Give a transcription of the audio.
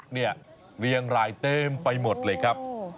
เนี่ยเวียงรายเต็มไปหมดเลยครับ